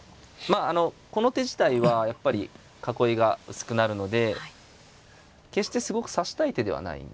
ああのこの手自体はやっぱり囲いが薄くなるので決してすごく指したい手ではないんですよね。